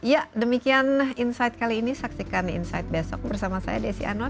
ya demikian insight kali ini saksikan insight besok bersama saya desi anwar